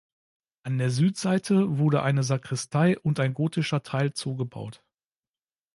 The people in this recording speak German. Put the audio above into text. An der Südseite wurde eine Sakristei und ein gotischer Teil zugebaut.